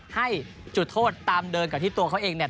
ให้จุดโทษตามเดินกับที่ตัวเขาเองเนี่ย